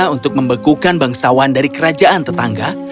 untuk membekukan bangsawan dari kerajaan tetangga